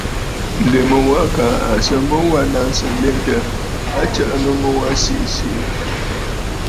Ǹdèmu wa kaa à sɨ mu wa naŋsə nlentə, a tsəʼə ghu nu siʼi siʼi.